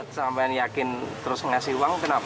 sampai yakin terus ngasih uang kenapa